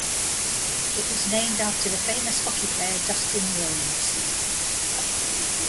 It was named after the famous hockey player Dustin Rhodes.